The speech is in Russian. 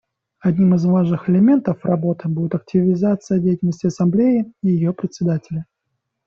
Одним из важных элементов работы будет активизация деятельности Ассамблеи и ее Председателя.